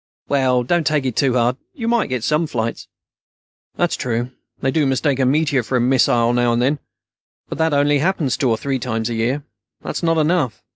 "Well, don't take it too hard. You might get some flights." "That's true. They do mistake a meteor for a missile now and then. But that happens only two or three times a year. That's not enough.